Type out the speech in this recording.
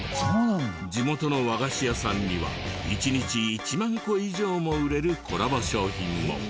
地元の和菓子屋さんには１日１万個以上も売れるコラボ商品も。